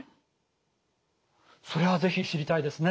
それは是非知りたいですね。